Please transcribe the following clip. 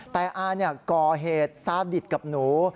แต่อาก่อเหตุซาดิตกับหนู